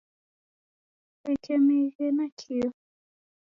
Kusekemeghee nakio.